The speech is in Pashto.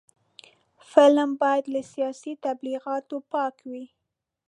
فلم باید له سیاسي تبلیغاتو پاک وي